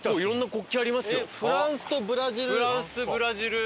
フランスブラジル。